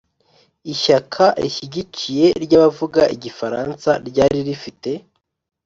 ishyaka rishyigikiye ry'abavuga igifaransa, ryari rifite